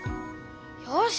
よし！